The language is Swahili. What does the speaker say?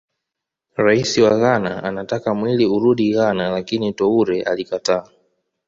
Rais wa Ghana Anataka mwili urudi Ghana lakini Toure alikataa